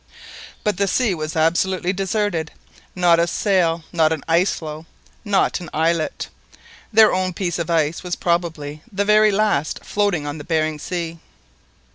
But the sea was absolutely deserted—not a sail, not an ice floe, not an islet! Their own piece of ice was probably the very last floating on the Behring Sea.